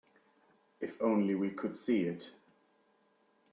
If only we could see it.